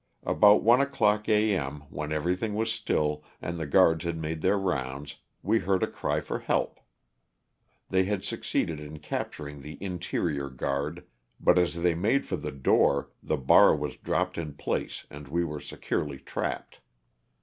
About one o'clock A. M. when everything was still and the guards had made their rounds, we heard a cry for help. They had succeeded in capturing the interior guard, but as they made for the door the bar was dropped in place and we were securely trapped.